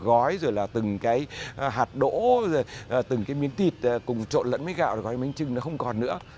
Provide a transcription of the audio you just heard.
gói rồi là từng cái hạt đỗ từng cái miếng thịt cùng trộn lẫn với gạo rồi gói bánh trưng nó không còn nữa